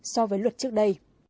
so với luật trước đây